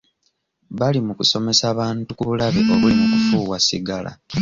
Bali mu kusomesa bantu ku bulabe obuli mu kufuuwa sigala.